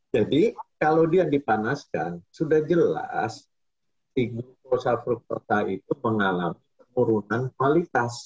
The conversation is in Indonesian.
jadi kalau dia dipanaskan sudah jelas glukosa dan fruktosa itu mengalami penurunan kualitas